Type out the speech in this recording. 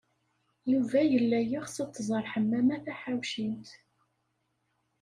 Yuba yella yeɣs ad tẓer Ḥemmama Taḥawcint.